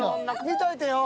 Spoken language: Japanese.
見といてよ。